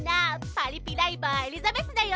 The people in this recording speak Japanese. パリピライバーエリザベスだよ！